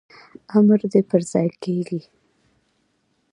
امر دي پرځای کیږي